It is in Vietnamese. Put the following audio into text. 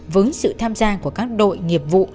với sự tham gia của các đội nghiệp vụ